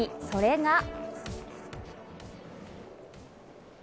それが。